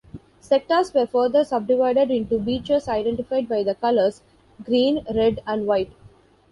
Sectors were further subdivided into beaches identified by the colours Green, Red, and White.